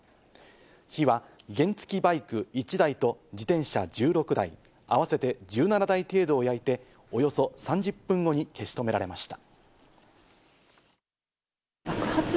火は原付バイク１台と自転車１６台、合わせて１７台程度を焼いて、およそ３０分後に消し止められました。